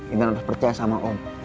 intan harus percaya sama om